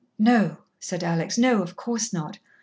"No," said Alex. "No, of course not.